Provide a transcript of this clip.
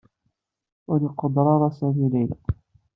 Ur iquder ara Sami Layla.